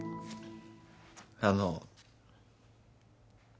あの。